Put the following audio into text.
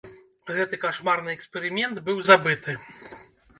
Гэты кашмарны эксперымент быў забыты.